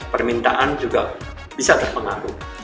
permintaan juga bisa terpengaruh